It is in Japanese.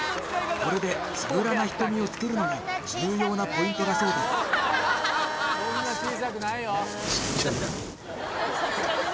これでつぶらな瞳を作るのが重要なポイントだそうです